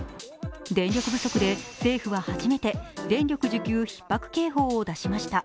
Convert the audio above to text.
電力不足で、政府は初めて電力需給ひっ迫警報を出しました。